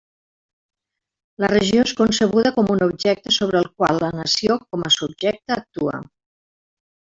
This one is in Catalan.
La regió és concebuda com un objecte sobre el qual la nació com a subjecte actua.